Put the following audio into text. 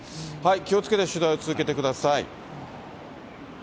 気をつけて取材を続けてください。